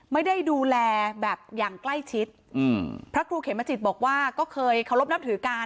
ไม่ได้ดูแลแบบอย่างใกล้ชิดอืมพระครูเขมจิตบอกว่าก็เคยเคารพนับถือกัน